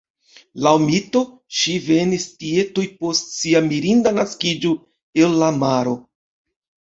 Laŭ mito, ŝi venis tie tuj post sia mirinda naskiĝo el la maro.